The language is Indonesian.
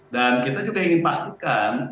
dan kita juga ingin pastikan